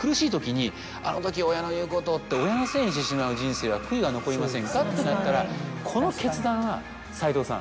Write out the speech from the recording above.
「あのとき親の言うことを」って親のせいにしてしまう人生は悔いが残りませんかってなったらこの決断は齋藤さん